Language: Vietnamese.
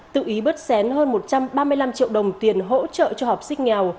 tự ý bớt xén hơn một trăm ba mươi năm triệu đồng tiền hỗ trợ cho họp xích nghèo